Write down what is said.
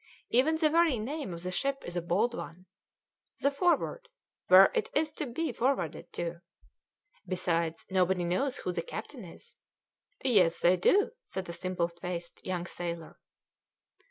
Even the very name of the ship is a bold one. The Forward where is it to be forwarded to? Besides, nobody knows who the captain is." "Yes, they do," said a simple faced young sailor.